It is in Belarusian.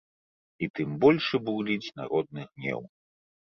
І тым большы бурліць народны гнеў.